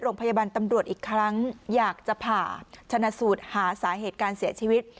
โรงพยาบาลตำรวจอีกครั้งอยากจะผ่าชนะสูตรหาสาเหตุการเสียชีวิต